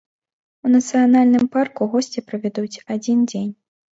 У нацыянальным парку госці правядуць адзін дзень.